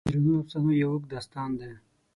د شیرینو افسانو یو اوږد داستان دی.